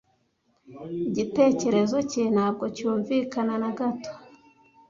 Igitekerezo cye ntabwo cyumvikana na gato